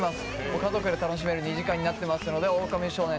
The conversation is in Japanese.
ご家族で楽しめる２時間になっていますので「オオカミ少年！